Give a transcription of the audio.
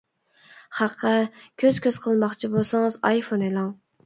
خەققە كۆز كۆز قىلماقچى بولسىڭىز ئايفون ئېلىڭ.